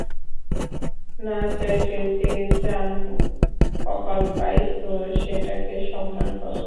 না চাইতে, যে চান কপাল পাইছো, সেটাকে সম্মান করো!